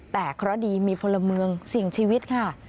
แต่เคราะห์ดีมีพลเมืองเสี่ยงชีวิตค่ะ